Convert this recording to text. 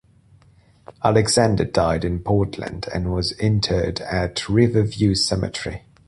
Alexander died in Portland and was interred at River View Cemetery.